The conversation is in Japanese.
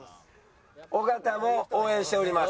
尾形も応援しております。